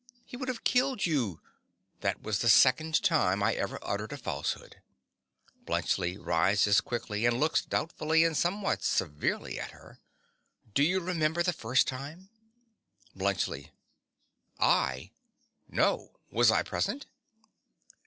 He would have killed you. That was the second time I ever uttered a falsehood. (Bluntschli rises quickly and looks doubtfully and somewhat severely at her.) Do you remember the first time? BLUNTSCHLI. I! No. Was I present?